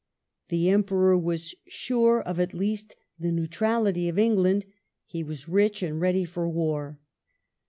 The Emperor was sure of, at least, the neutral ity of England ; he was rich, and ready for war.